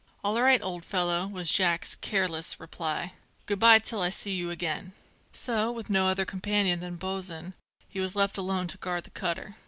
"All right, old fellow," was Jack's careless reply. "Good bye till I see you again!" 'So, with no other companion than Bosin, he was left alone to guard the cutter.